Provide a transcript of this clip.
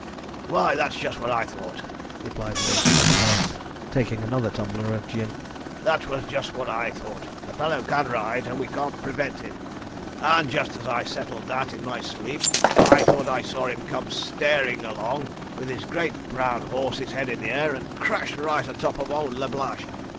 'Why, that was just what I thought,' replied Lord Scamperdale, taking another tumbler of gin; 'that was just what I thought the fellow can ride, and we can't prevent him; and just as I settled that in my sleep, I thought I saw him come staring along, with his great brown horse's head in the air, and crash right a top of old Lablache.